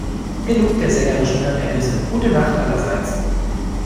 Genug der sängerischen Hirnergüsse - gute Nacht, allerseits.